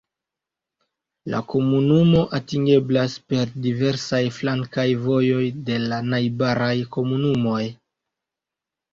La komunumo atingeblas per diversaj flankaj vojo de la najbaraj komunumoj.